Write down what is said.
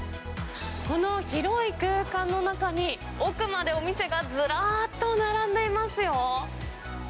この広い空間の中に、奥までお店がずらっと並んでいますよ。